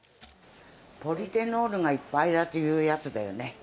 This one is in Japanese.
ポリフェノールがいっぱいだっていうやつだよね。